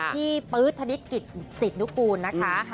พี่ปื๊ดธนิดจิตนุกูลนะคะ